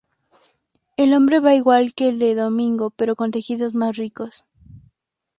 El hombre va igual que el de domingo pero con tejidos más ricos.